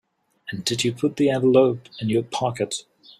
And did you put the envelope in your pocket?